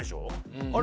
あれ？